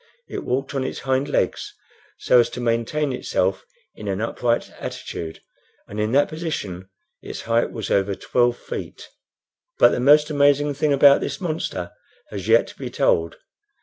It walked on its hind legs, so as to maintain itself in an upright attitude, and in that position its height was over twelve feet. But the most amazing thing about this monster has yet to be told.